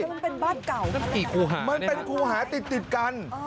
มันเป็นบ้านเก่ามันเป็นคู่หาที่ติดกัน